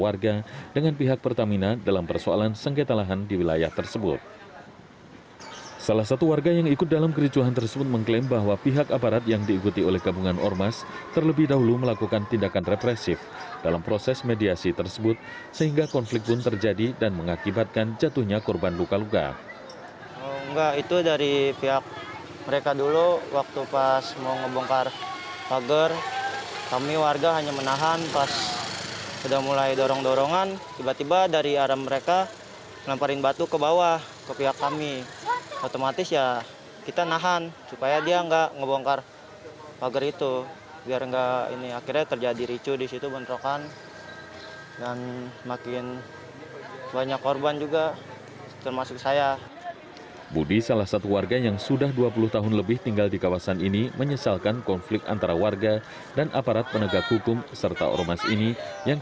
ratakan tempat ini karena ini temboknya satu dengan saya saya mengawasi sama keluarga saya